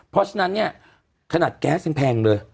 เพราะฉะนั้นเนี่ยขนาดแก๊สยังแพงเลย